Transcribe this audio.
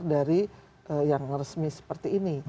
sayang itu jangan jangan diluar dari yang resmi seperti ini